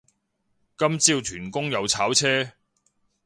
今朝屯公又炒車